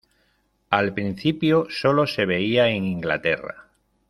Al principio sólo se veía en Inglaterra.